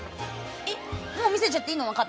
もう見せちゃっていいの？